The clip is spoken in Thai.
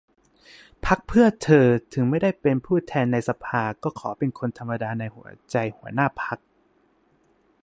พรรคเพื่อเธอ : ถึงไม่ได้เป็นผู้แทนในสภา ก็ขอเป็นคนธรรมดาในหัวใจหัวหน้าพรรค